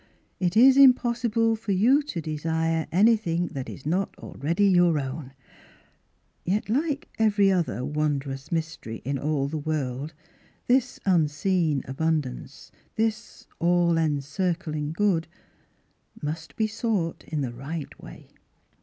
It is impossible for you to desire anything that is not already your own !'" Yet like every other wondrous mystery in all the world this unseen Abundance — this All encircling Good — must be sought in the one right way.